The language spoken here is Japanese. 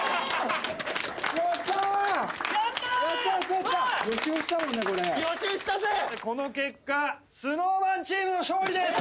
これ予習したぜこの結果ＳｎｏｗＭａｎチームの勝利です